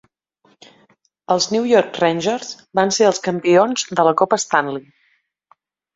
Els New York Rangers van ser els campions de la Copa Stanley.